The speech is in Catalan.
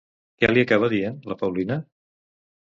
Què li acaba dient, la Paulina?